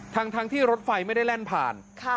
ทั้งที่รถไฟไม่ได้แล่นผ่าน